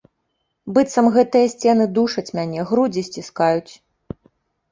Быццам гэтыя сцены душаць мяне, грудзі сціскаюць.